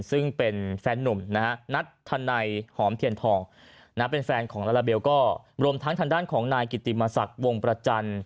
ซึ่งเป็นแฟนนุ่มนะฮะนัทธนัยหอมเทียนทองเป็นแฟนของลาลาเบลก็รวมทั้งทางด้านของนายกิติมศักดิ์วงประจันทร์